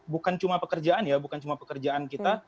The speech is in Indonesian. bukan cuma pekerjaan ya bukan cuma pekerjaan kita